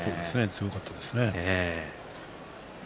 強かったですね。